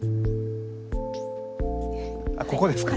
あっここですか？